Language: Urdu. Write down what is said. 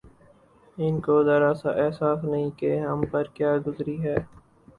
ان کو ذرا سا احساس نہیں کہ ہم پر کیا گزرتی ہے